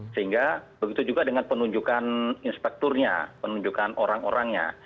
sehingga begitu juga dengan penunjukan inspekturnya penunjukan orang orangnya